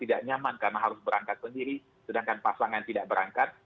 tidak nyaman karena harus berangkat sendiri sedangkan pasangan tidak berangkat